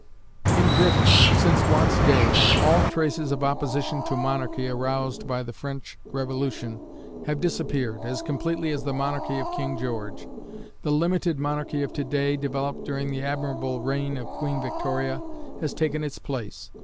In Britain, since Watt's day, all traces of opposition to monarchy aroused by the French Revolution have disappeared, as completely as the monarchy of King George. The "limited monarchy" of to day, developed during the admirable reign of Queen Victoria, has taken its place.